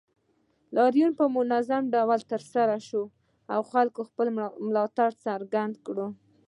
لاریون په منظم ډول ترسره شو او خلکو خپل ملاتړ څرګند کړ